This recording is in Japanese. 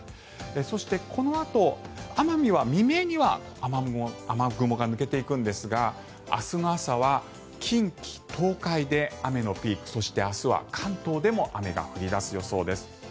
そして、このあと奄美は未明には雨雲が抜けていくんですが明日の朝は近畿、東海で雨のピークそして明日は関東でも雨が降り出す予想です。